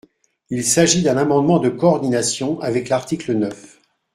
Il s’agit d’un amendement de coordination avec l’article neuf.